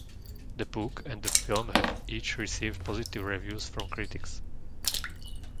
The book and the film have each received positive reviews from critics.